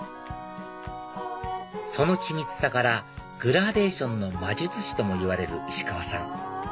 その緻密さからグラデーションの魔術師ともいわれる石川さん